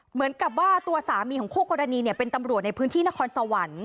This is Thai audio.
เหมือนกับว่าตัวสามีของคู่กรณีเนี่ยเป็นตำรวจในพื้นที่นครสวรรค์